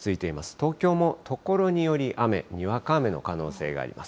東京も所により雨、にわか雨の可能性があります。